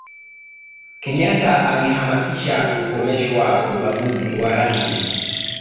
kenyata alihamasisha kukomeshwa ubaguzi wa rangi